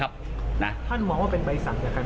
ท่านหวังว่าเป็นใบสั่นใจใครไหมครับ